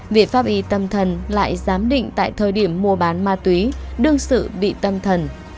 viện pháp y tâm thần lại giám định tại thời điểm mua bán ma túy đương sự bị tâm thần